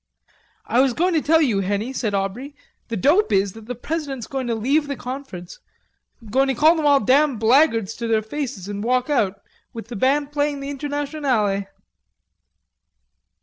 "I was going to tell you, Henny," said Aubrey, "the dope is that the President's going to leave the conference, going to call them all damn blackguards to their faces and walk out, with the band playing the 'Internationale.'"